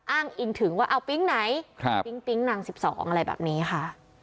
อ้างอิงถึงว่าเอาปิ๊งไหนปิ๊งปิ๊งนาง๑๒อะไรแบบนี้ค่ะ